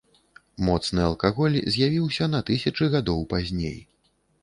Моцны алкаголь з'явіўся на тысячы гадоў пазней.